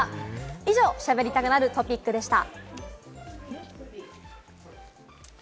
以上、しゃべりたくなるトピックでした。